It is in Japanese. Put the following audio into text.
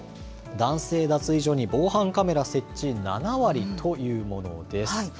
男性脱衣所に防犯カメラ設置７割というものです。